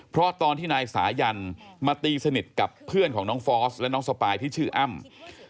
เพราะตอนที่นายสายันมาตีสนิทกับเพื่อนของน้องฟอสและน้องสปายที่ชื่ออ้ำ